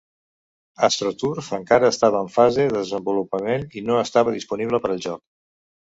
AstroTurf encara estava en fase de desenvolupament i no estava disponible per al joc.